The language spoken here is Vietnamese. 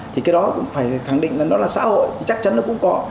thì cái đó cũng phải khẳng định là nó là xã hội thì chắc chắn nó cũng có